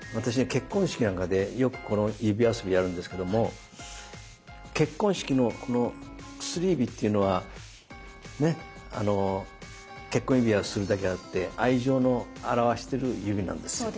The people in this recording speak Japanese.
結婚式なんかでよくこの指遊びやるんですけども結婚式のこの薬指っていうのはね結婚指輪するだけあって愛情を表してる指なんです。